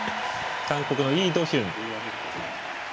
韓国のイ・ドヒュン。